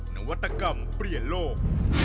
นวัตกรรมเปลี่ยนโลก